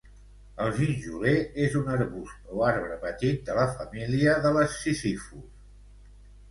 El ginjoler és un arbust o arbre petit de la família de les "Ziziphus".